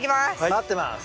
待ってます。